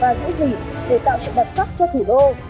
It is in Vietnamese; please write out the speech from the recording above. và giữ gìn để tạo sự đặc sắc cho thủ đô